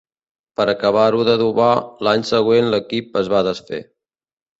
Per acabar-ho d'adobar, l'any següent l'equip es va desfer.